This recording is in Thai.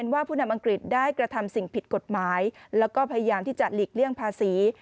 ว่าผู้นำอังกฤษได้กระทำสิ่งผิดกฎหมายแล้วก็พยายามที่จะหลีกเลี่ยงภาษี